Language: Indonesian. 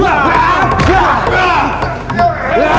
ini udah kelamaan